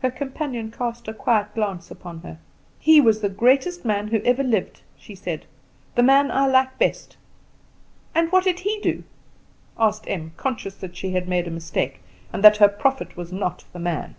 Her companion cast a quiet glance upon her. "He was the greatest man who ever lived," she said, "the man I like best." "And what did he do?" asked Em, conscious that she had made a mistake, and that her prophet was not the man.